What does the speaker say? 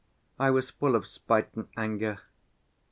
I was full of spite and anger.